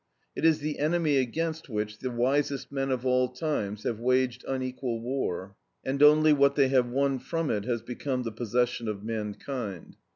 It is the enemy against which the wisest men of all times have waged unequal war, and only what they have won from it has become the possession of mankind.